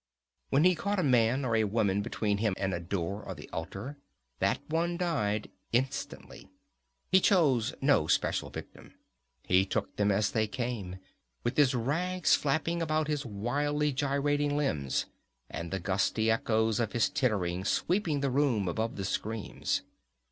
When he caught a man or a woman between him and a door or the altar, that one died instantly. He chose no special victim. He took them as they came, with his rags flapping about his wildly gyrating limbs, and the gusty echoes of his tittering sweeping the room above the screams.